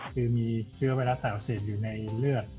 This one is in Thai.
คือมีเชื้อไวรัสต่าอักเสบอยู่ในเลือด